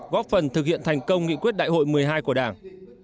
góp phần thực hiện thành công nghị quyết đại hội một mươi hai của đảng